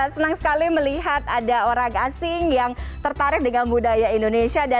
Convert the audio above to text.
senang sekali melihat ada orang asing yang tertarik dengan budaya indonesia